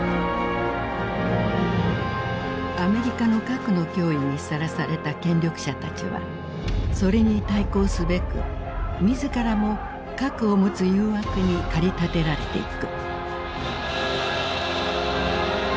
アメリカの核の脅威にさらされた権力者たちはそれに対抗すべく自らも核を持つ誘惑に駆り立てられていく。